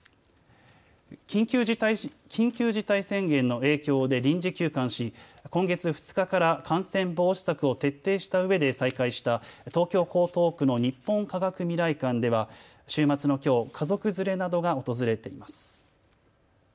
緊急事態宣言の影響で臨時休館し今月２日から感染防止策を徹底したうえで再開した東京江東区の日本科学未来館では週末のきょう、家族連れなどが訪れています。